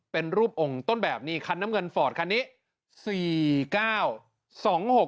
เป็นรูปองค์ต้นแบบนี้คันน้ำเงินฟอร์ตคันนี้สี่เก้าสองหก